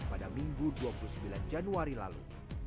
pada minggu dua puluh sembilan januari lalu